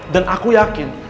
dan aku yakin